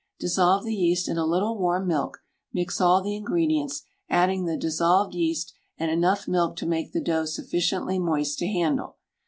Dissolve the yeast in a little warm milk, mix all the ingredients, adding the dissolved yeast and enough milk to make the dough sufficiently moist to handle.